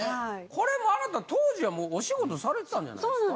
これもうあなた当時はもうお仕事されてたんじゃないですか。